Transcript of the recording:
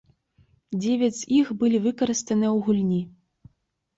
Дзевяць з іх былі выкарыстаныя ў гульні.